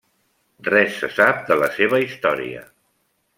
Res se sap de la seva història.